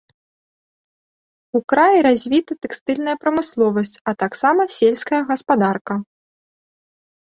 У краі развіта тэкстыльная прамысловасць, а таксама сельская гаспадарка.